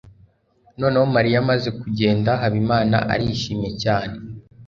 Noneho Mariya amaze kugenda, Habimana arishimye cyane.